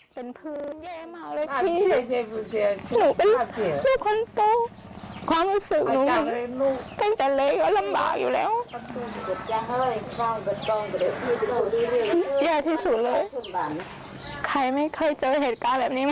พ่อพ่อเหตุเขารู้จักเขาก็หลังแบบนังนี้